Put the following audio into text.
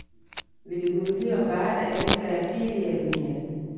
viligunduliwa baada ya vita ya pili ya duni